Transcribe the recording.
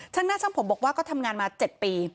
หน้าช่างผมบอกว่าก็ทำงานมา๗ปี